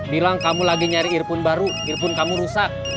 bila kamu lagi nyari earphone baru earphone kamu rusak